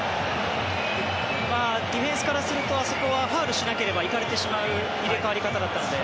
ディフェンスからするとあそこはファウルしなければ行かれてしまう入れ替わり方だったので。